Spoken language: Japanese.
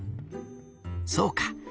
そうか。